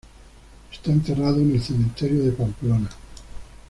Está enterrado en el cementerio de Pamplona.